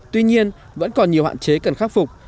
tuy nhiên vẫn còn nhiều hạn chế cần khắc phục